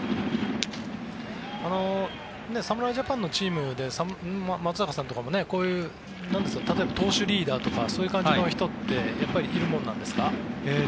侍ジャパンのチームで松坂さんとかも例えば、投手リーダーとかそういう感じの人っているものなんですか？